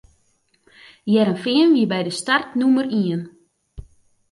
Hearrenfean wie by dy start nûmer ien.